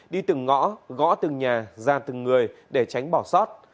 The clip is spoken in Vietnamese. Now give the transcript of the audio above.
đi từng ngõ gõ từng nhà ra từng người để tránh bỏ sót